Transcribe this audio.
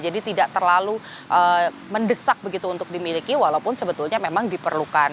jadi tidak terlalu mendesak begitu untuk dimiliki walaupun sebetulnya memang diperlukan